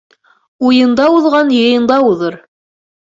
Уйында уҙған йыйында уҙыр.